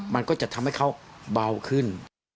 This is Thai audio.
มันก็จะทำให้เขาเบาขึ้น